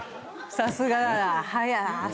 さすがだな。